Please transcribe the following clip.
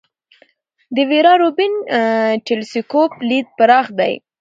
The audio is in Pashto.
د ویرا روبین ټیلسکوپ لید پراخ دی.